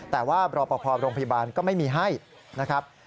แต่ว่ารอปภโรงพยาบาลก็ไม่มีให้นะครับ